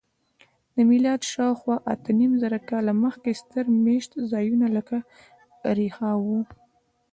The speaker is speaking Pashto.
له میلاده شاوخوا اتهنیمزره کاله مخکې ستر میشت ځایونه لکه اریحا وو.